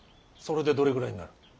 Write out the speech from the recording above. それでどれぐらいになる。